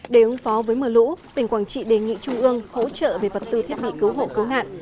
để ứng phó với mưa lũ tỉnh quảng trị đề nghị trung ương hỗ trợ về vật tư thiết bị cứu hộ cứu nạn